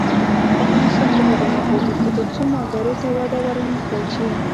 افغانستان تر هغو نه ابادیږي، ترڅو مالدارۍ ته وده ورنکړل شي.